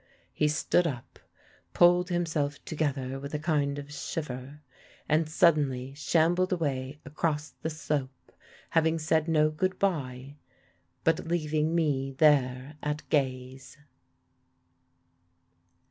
He stood up, pulled himself together with a kind of shiver, and suddenly shambled away across the slope, having said no good bye, but leaving me there at gaze.